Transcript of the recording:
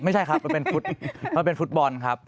ไม่ใช่ครับมันเป็นฟุตบอลครับ